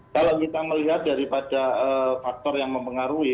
kalau kita melihat daripada faktor yang mempengaruhi